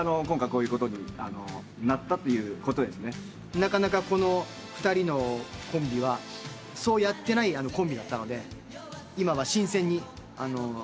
なかなかこの２人のコンビはそうやってないコンビだったので今は新鮮に２人で。